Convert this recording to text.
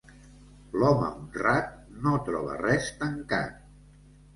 L'home honrat no troba res tancat.